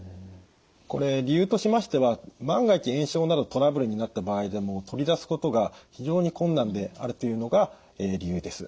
これ理由としましては万が一炎症などトラブルになった場合でも取り出すことが非常に困難であるというのが理由です。